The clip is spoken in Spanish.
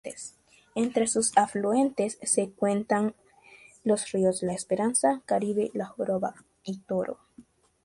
Entre sus afluentes se cuentan los ríos La Esperanza, Caribe, La Joroba y Toro.